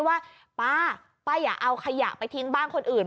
ว่าป้าป้าอย่าเอาขยะไปทิ้งบ้านคนอื่น